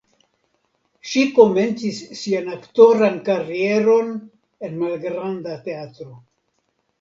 Ŝi komencis sian aktoran karieron en malgranda teatro.